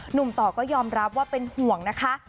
หนุ่มต่อก็ยอมรับว่าเป็นห่วงนะคะ